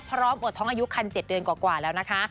อวดท้องอายุคัน๗เดือนกว่าแล้วนะคะ